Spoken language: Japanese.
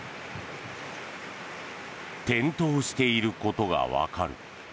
点灯していることがわかる。